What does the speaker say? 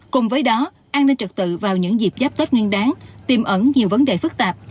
cùng với đó an ninh trật tự vào những dịp giáp tết nguyên đáng tìm ẩn nhiều vấn đề phức tạp